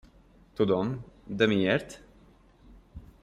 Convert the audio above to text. Tudom, de miért?